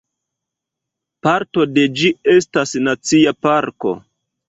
Parto de ĝi estas nacia parko.